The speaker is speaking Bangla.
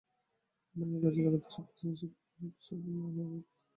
ভাঙা কাচের আঘাতে সপ্তম শ্রেণীর শিক্ষার্থী আলাবি, সাফিন, শায়লাসহ পাঁচজন আহত হয়।